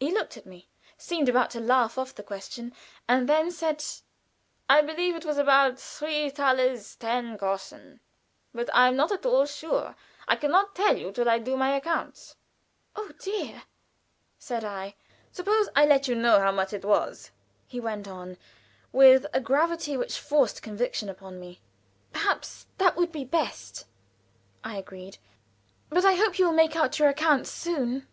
He looked at me, seemed about to laugh off the question, and then said: "I believe it was about three thalers ten groschen, but I am not at all sure. I can not tell till I do my accounts." "Oh, dear!" said I. "Suppose I let you know how much it was," he went on, with a gravity which forced conviction upon me. "Perhaps that would be the best," I agreed. "But I hope you will make out your accounts soon."